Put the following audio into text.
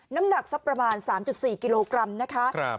น้ำหนักสักประมาณ๓๔กิโลกรัมนะคะ